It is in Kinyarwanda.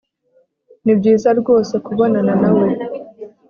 nibyiza rwose kubonana nawe